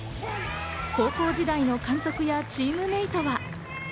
高校時代の監督やチームメイトは。